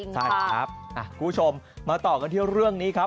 ใช่ครับคุณผู้ชมมาต่อกันที่เรื่องนี้ครับ